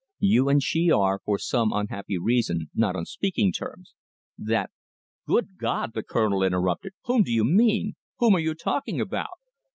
"You and she are, for some unhappy reason, not on speaking terms. That " "Good God!" the Colonel interrupted, "whom do you mean? Whom are you talking about?"